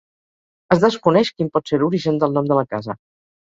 Es desconeix quin pot ser l'origen del nom de la casa.